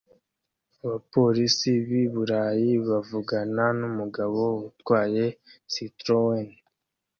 Abapolisi b’i Burayi bavugana n’umugabo utwaye Citroen